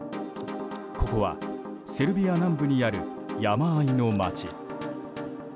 ここはセルビア南部にある山あいの街。